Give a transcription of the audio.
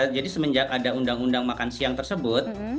jadi semenjak ada undang undang makan siang tersebut